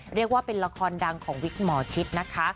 เรียกว่าเป็นละครดังของวิกหมอชิดนะคะ